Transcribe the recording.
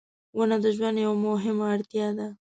• ونه د ژوند یوه مهمه اړتیا ده.